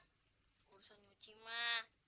gak usah nyuci mah